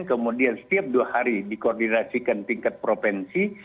kemudian setiap dua hari dikoordinasikan tingkat provinsi